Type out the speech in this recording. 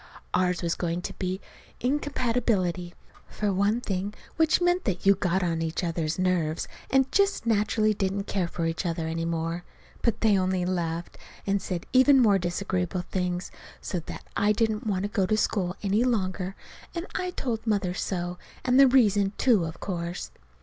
Ours was going to be incompatibility, for one thing, which meant that you got on each other's nerves, and just naturally didn't care for each other any more. But they only laughed, and said even more disagreeable things, so that I didn't want to go to school any longer, and I told Mother so, and the reason, too, of course.